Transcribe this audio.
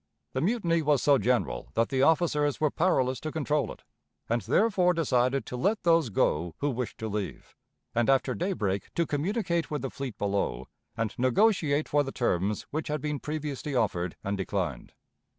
The mutiny was so general that the officers were powerless to control it, and therefore decided to let those go who wished to leave, and after daybreak to communicate with the fleet below and negotiate for the terms which had been previously offered and declined.